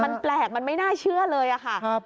มันแปลกมันไม่น่าเชื่อเลยค่ะ